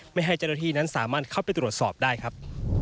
ไม่ให้เจ้าหน้าที่นั้นสามารถเข้าไปตรวจสอบได้ครับ